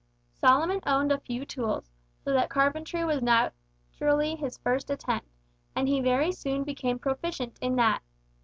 Solomon owned a few tools, so that carpentry was naturally his first attempt, and he very soon became proficient in that.